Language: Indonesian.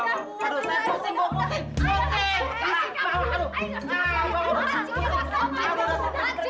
tapi lain kali gue gak mau ada bawa bawaan lagi